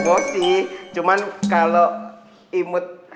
bos sih cuma kalau imut